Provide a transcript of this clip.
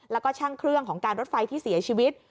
แล้วก็ช่างเครื่องของการรถไฟที่เสียชีวิต